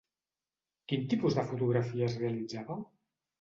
Quin tipus de fotografies realitzàveu?